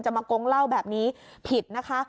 มากงเหล้าแบบนี้ผิดนะคะ